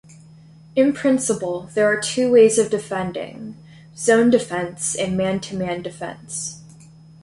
In principle, there are two ways of defending, zone defence and man-to-man defense.